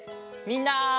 みんな！